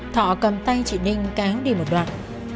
thỏa cầm tay trị ninh cắn đi một đoạn